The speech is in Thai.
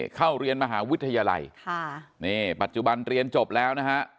เข้าเรียนมหาวิทยาลัยค่ะนี่ปัจจุบันเรียนจบแล้วนะฮะ